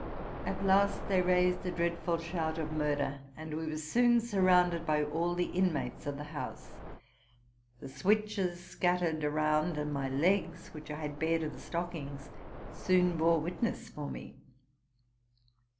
At last they raised a dreadful shout of murder, and we were soon sur 56 TRUTH AND FICTION rounded by all the inmates of the house. The switches scattered around, and my legs, which I had bared of the stockings, soon bore witness for me.